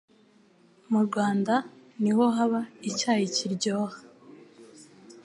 Mu Rwanda niho haba icyayi kiryoha